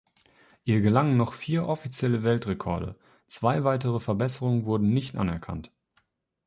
Ihr gelangen noch vier offizielle Weltrekorde, zwei weitere Verbesserungen wurden nicht anerkannt.